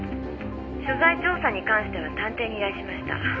所在調査に関しては探偵に依頼しました。